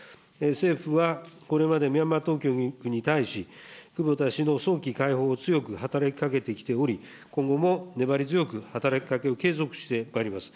政府はこれまでミャンマー当局に対し、久保田氏の早期解放を強く働きかけてきており、今後も粘り強く働きかけを継続してまいります。